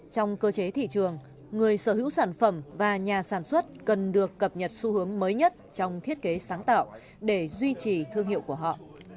trong cơ chế thị trường người sở hữu sản phẩm và nhà sản xuất cần được cập nhật xu hướng mới nhất trong thiết kế sáng tạo để duy trì thương hiệu của họ